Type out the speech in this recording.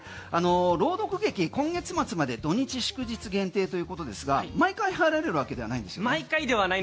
朗読劇、今月末まで土日祝日限定ということですが毎回入れるわけではないんですよね。